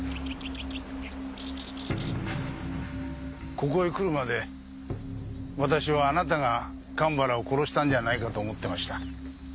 ここへ来るまで私はあなたが神原を殺したんじゃないかと思ってました。